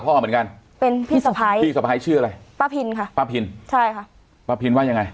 พ่อเหมือนกันเป็นพี่สะพ้ายพี่สะพ้ายชื่ออะไรป้าพินค่ะป้าพินใช่ค่ะป้าพินว่ายังไง